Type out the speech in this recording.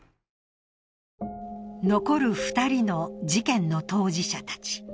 残る２人の事件の当事者たち。